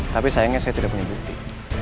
tapi sayangnya saya tidak punya bukti